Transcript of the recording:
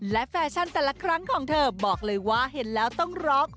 และแฟชั่นแต่ละครั้งของเธอบอกเลยว่าเห็นแล้วต้องร็อก